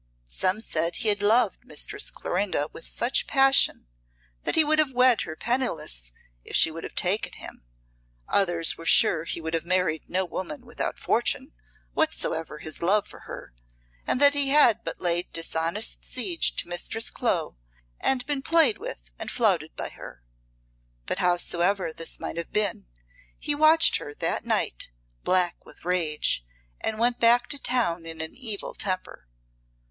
Some said he had loved Mistress Clorinda with such passion that he would have wed her penniless if she would have taken him, others were sure he would have married no woman without fortune, whatsoever his love for her, and that he had but laid dishonest siege to Mistress Clo and been played with and flouted by her. But howsoever this might have been, he watched her that night, black with rage, and went back to town in an evil temper.